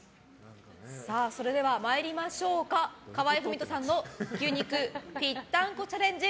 それでは河合郁人さんの牛肉ぴったんこチャレンジ